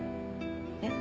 えっ？